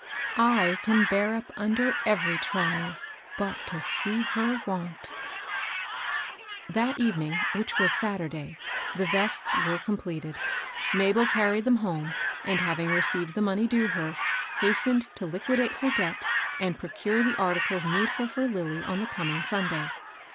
I can bear up under every trial but to see her want !" That evening, which was Saturday, the vests were completed. Mabel carried \)[ie\xi\Laa!L<in«»&.n 214 MABEL ROSS. having recdved the money due her, hastened to liquidate her debt, and procure the articles needful for Lilly on the coming Sunday.